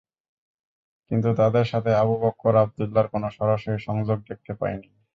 কিন্তু তাদের সাথে আবু বকর আব্দুল্লাহর কোনো সরাস্যরি সংযোগ দেখতে পাইনি।